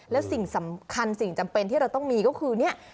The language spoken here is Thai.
แล้วสิ่งสำคัญสิ่งจำเป็นที่เราต้องมีก็คือเนี่ย